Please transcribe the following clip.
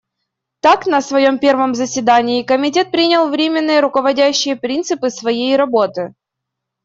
Так, на своем первом заседании Комитет принял временные руководящие принципы своей работы.